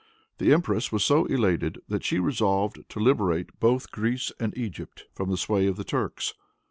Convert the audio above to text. The empress was so elated that she resolved to liberate both Greece and Egypt from the sway of the Turks.